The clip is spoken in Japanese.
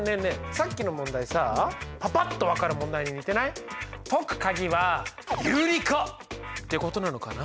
さっきの問題さあパパっと分かる問題に似てない？ってことなのかな？